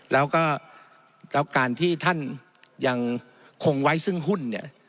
แล้วก็การที่ท่านยังคงไว้ซึ่งหุ้นเนี่ย